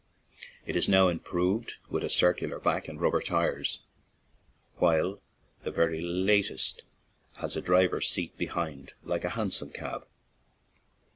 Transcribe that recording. It is now improved with a circular back and rubber tires, while the very latest has a driver's seat behind, like a hansom cab.